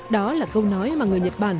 đó là câu nói mà người nhật bản